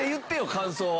感想は。